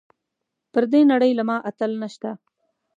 پر دې نړۍ له ما اتل نشته .